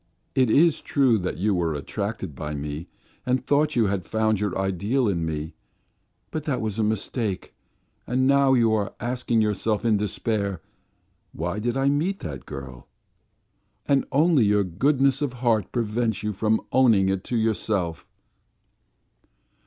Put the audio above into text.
It is true that you were attracted by me and thought you had found your ideal in me, but that was a mistake, and now you are asking yourself in despair: 'Why did I meet that girl?' And only your goodness of heart prevents you from owning it to yourself...."